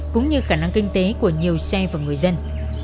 cũng như khả năng kinh tế của nhiều xe và người dân